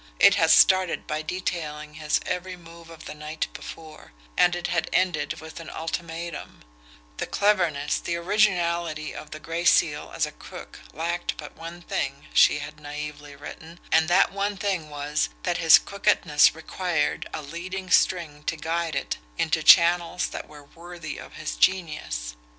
It had started by detailing his every move of the night before and it had ended with an ultimatum: "The cleverness, the originality of the Gray Seal as a crook lacked but one thing," she had naively written, "and that one thing was that his crookedness required a leading string to guide it into channels that were worthy of his genius."